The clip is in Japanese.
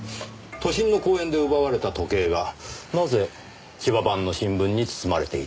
都心の公園で奪われた時計がなぜ千葉版の新聞に包まれていたのでしょう？